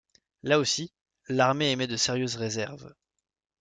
Là aussi, l'armée émet de sérieuses réserves.